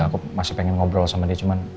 aku masih pengen ngobrol sama dia cuma